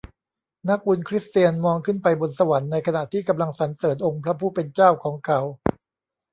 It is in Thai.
นักบุญคริสเตียนมองขึ้นไปบนสวรรค์ในขณะที่กำลังสรรเสริญองค์พระผู้เป็นเจ้าของเขา